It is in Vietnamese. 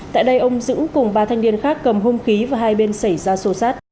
tại đây ông dững cùng ba thanh niên khác cầm hung khí và hai bên xảy ra sô sát